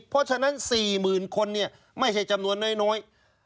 เพราะฉะนั้น๔๐๐๐คนไม่ใช่จำนวนน้อย